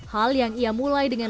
hal yang ia mulai dengan